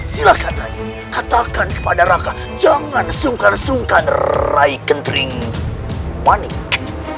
silahkan rai katakan kepada raka jangan sungkan sungkan rai kentering manik